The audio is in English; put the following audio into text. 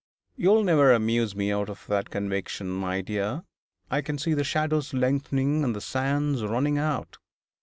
'You will never amuse me out of that conviction, my dear. I can see the shadows lengthening and the sands running out.